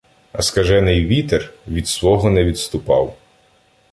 А скажений вітер Від свого не відступав.